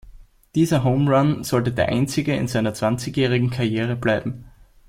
Dieser Home Run sollte der einzige in seiner zwanzigjährigen Karriere bleiben.